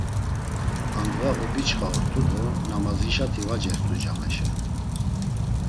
Andğa obişxa ort̆u do namazişati va cext̆u cameşa.